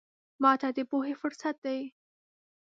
ماته د پوهې فرصت دی.